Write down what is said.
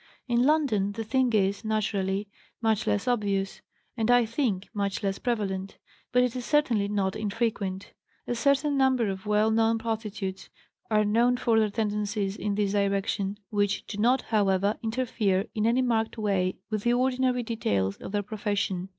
In London the thing is, naturally, much less obvious, and, I think, much less prevalent; but it is certainly not infrequent. A certain number of well known prostitutes are known for their tendencies in this direction, which do not, however, interfere in any marked way with the ordinary details of their profession.